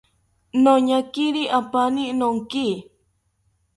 Noñakiri apaani nonki